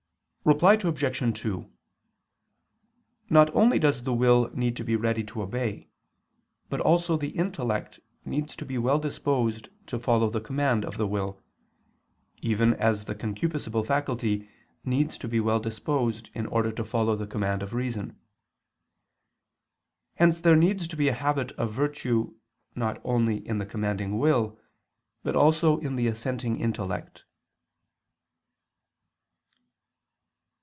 Reply Obj. 2: Not only does the will need to be ready to obey but also the intellect needs to be well disposed to follow the command of the will, even as the concupiscible faculty needs to be well disposed in order to follow the command of reason; hence there needs to be a habit of virtue not only in the commanding will but also in the assenting intellect.